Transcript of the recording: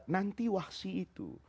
nanti wahsyi itu